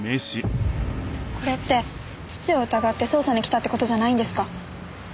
これって父を疑って捜査に来たって事じゃないんですか？